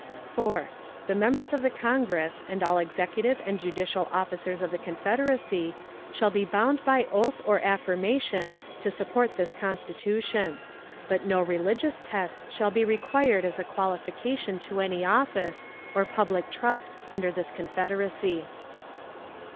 4. The members of the Congress and all executive and judicial officers of the Confederacy shall be bound by oath or affirmation to support this Constitution; but no religious test shall be required as a qualification to any office or public trust under this Confederacy.